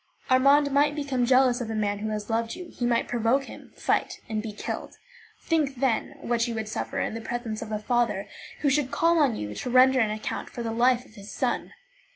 Armand might become jealous of a man who has loved you; he might provoke him, fight, be killed. Think, then, what you would suffer in the presence of a father who should call on you to render an account for the life of his son!